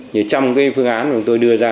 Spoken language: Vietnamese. như trong cái phương án mà tôi đưa ra